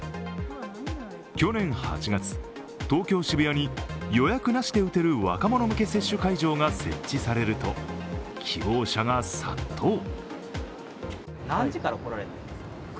去年８月、東京・渋谷に予約なしで打てる若者向け接種会場が設置されると、希望者が殺到。